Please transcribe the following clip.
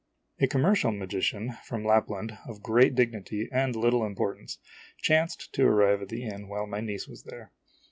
A commercial magi cian from Lapland, of great dignity and little importance, chanced to arrive at the inn while my niece was there.